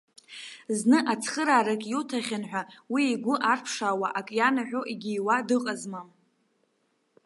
Зны цхыраарак иуҭахьан ҳәа, уи игәы арԥшаауа, ак ианаҳәо егьиуа дыҟазма.